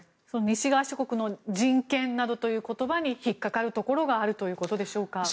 西側諸国の人権などという言葉に引っかかるところがあるということでしょうか。